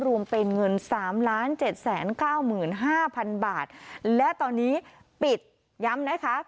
รวมเป็นเงินสามล้านเจ็ดแสนเก้าหมื่นห้าพันบาทและตอนนี้ปิดย้ำนะคะ